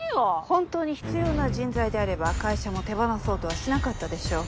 本当に必要な人材であれば会社も手放そうとはしなかったでしょう。